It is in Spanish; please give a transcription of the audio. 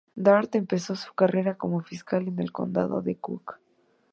Dart empezó su carrera como fiscal en el condado de Cook.